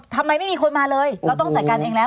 ทำไมไม่มีคนมาเลยเราต้องจัดการเองแล้ว